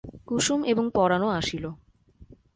কুসুম এবং পরাণও আসিল।